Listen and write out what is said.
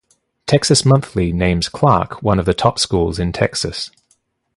"Texas Monthly" names Clark one of the top schools in Texas.